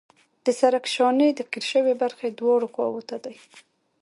د سرک شانې د قیر شوې برخې دواړو خواو ته دي